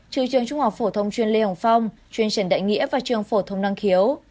trừ trường trung học phổ thông chuyên lê hồng phong chuyên trần đại nghĩa và trường phổ thông năng khiếu